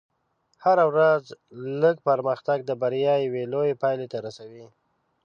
هره ورځ لږ پرمختګ د بریا یوې لوېې پایلې ته رسوي.